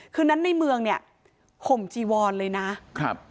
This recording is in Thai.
คืนนั้นในเมืองเนี่ยห่มจีวอนเลยนะครับ